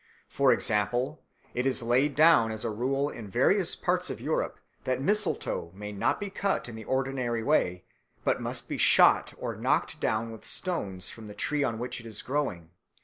For example, it is laid down as a rule in various parts of Europe that mistletoe may not be cut in the ordinary way but must be shot or knocked down with stones from the tree on which it is growing.